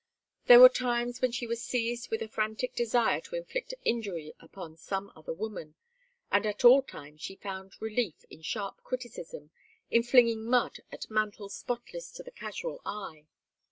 There were times when she was seized with a frantic desire to inflict injury upon some other woman, and at all times she found relief in sharp criticism, in flinging mud at mantles spotless to the casual eye.